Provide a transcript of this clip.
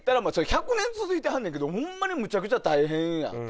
１００年続いてはるねんけどホンマにむちゃくちゃ大変やと。